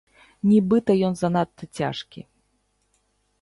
Нібыта ён занадта цяжкі.